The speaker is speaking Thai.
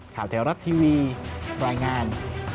แถวรัฐทีวีรายงาน